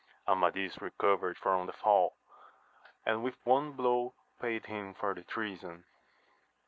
Amadis recovered from the fall, and with one blow paid him for the treason.